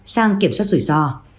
sang kiểm soát rủi ro